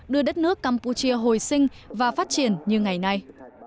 đưa đất nước campuchia hồi sinh và phát triển như ngày nay